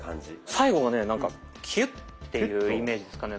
最後がねなんかキュッというイメージですかね。